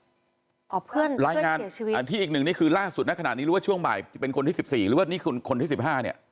เพื่อนรายงานเสียชีวิตอ่าที่อีกหนึ่งนี่คือล่าสุดนะขนาดนี้รู้ว่าช่วงบ่ายจะเป็นคนที่สิบสี่หรือว่านี่คือคนที่สิบห้าเนี่ย